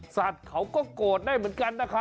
สัตว์เขาก็โกรธได้เหมือนกันนะคะ